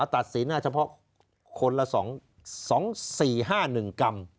ตัดสินเฉพาะคนละ๒๔๕๑กรัม